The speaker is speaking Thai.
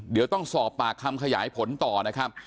เดี๋ยวต้องสอบปากคำขยายผลต่อนะครับ